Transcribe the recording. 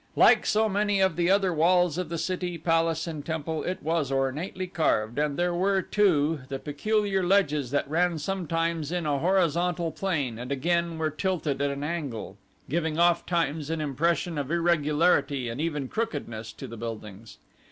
Like so many of the other walls of the city, palace, and temple, it was ornately carved and there were too the peculiar ledges that ran sometimes in a horizontal plane and again were tilted at an angle, giving ofttimes an impression of irregularity and even crookedness to the buildings.